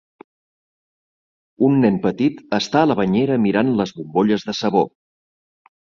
Un nen petit està a la banyera mirant les bombolles de sabó.